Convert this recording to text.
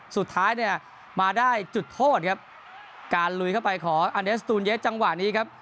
สุดท้ายเนี่ยมาได้จุดโทษครับการลุยเข้าไปของอันเดสตูนเยะจังหวะนี้ครับ